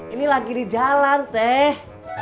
ini lagi di jalan teh